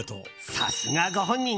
さすがご本人。